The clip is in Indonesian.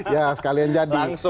ya sekalian jadi